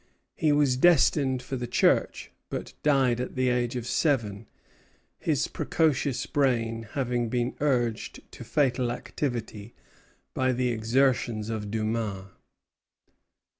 He was destined for the Church, but died at the age of seven; his precocious brain having been urged to fatal activity by the exertions of Dumas.